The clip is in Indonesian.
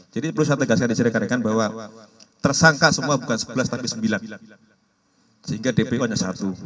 jadi perlu saya tegaskan di sereh rekan rekan bahwa tersangka semua bukan sebelas tapi sembilan sehingga dpo hanya satu